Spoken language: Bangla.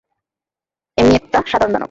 এমনিই একটা সাধারণ দানব।